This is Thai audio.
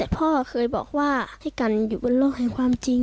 พ่อไหว